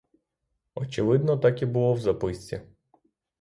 Очевидно, так і було в записці.